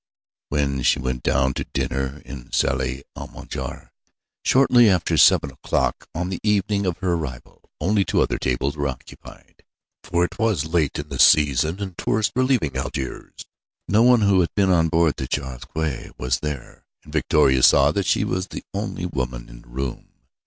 When she went down to dinner in the salle à manger, shortly after seven o'clock on the evening of her arrival, only two other tables were occupied, for it was late in the season, and tourists were leaving Algiers. No one who had been on board the Charles Quex was there, and Victoria saw that she was the only woman in the room.